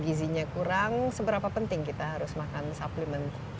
nah ini juga ternyata gizinya kurang seberapa penting kita harus makan supplement